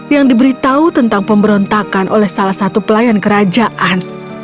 yang diberitahu tentang pemberontakan oleh salah satu pelayan kerajaan